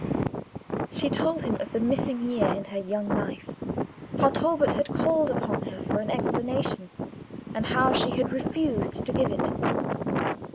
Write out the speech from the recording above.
She told him of the missing year in her young life; how Talbot had called upon her for an explanation, and how she had refused to give it.